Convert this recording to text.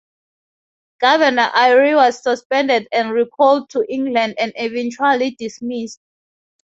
Governor Eyre was suspended and recalled to England and eventually dismissed.